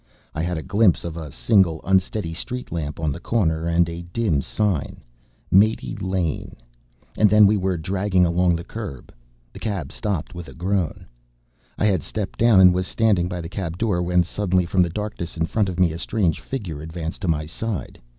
I had a glimpse of a single unsteady street lamp on the corner, and a dim sign, "Mate Lane." And then we were dragging along the curb. The cab stopped with a groan. I had stepped down and was standing by the cab door when suddenly, from the darkness in front of me, a strange figure advanced to my side.